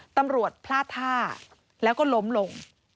ตำรวจพลาดท่าแล้วก็ล้มลง